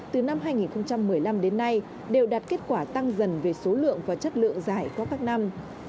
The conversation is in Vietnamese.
từ năm hai nghìn một mươi năm đến nay đều đạt kết quả tăng dần về số lượng và chất lượng giải qua các năm